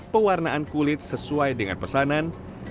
pewarnaan kulit sesuai dengan pesanan